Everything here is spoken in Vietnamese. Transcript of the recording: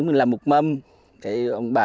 mình làm một mâm thì ông bà